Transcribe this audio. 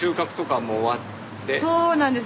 そうなんです。